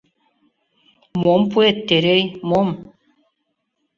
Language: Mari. — Мом пуэт, Терей, мом?